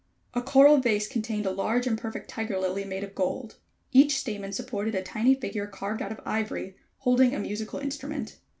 A coral vase contained a large and perfect tiger lily, made of gold. Each stamen supported a tiny figure carved out of ivory, holding a musical instrument.